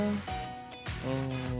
うん。